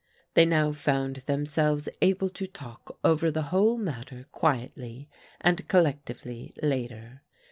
They now found themselves able to talk over the whole matter quietly and collectively, later.